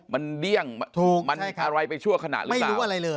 มันเดี้ยงถูกมันอะไรไปชั่วขณะหรือเปล่า